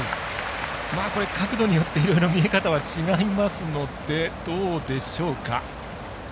角度によっていろいろ見え方は違いますのでどうでしょうか。